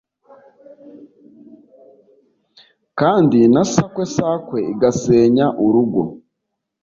Kandi na sakwe sakwe igasenya urugo